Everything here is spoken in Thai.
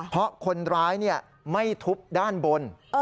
เพราะคนร้ายไม่ทุบด้านบน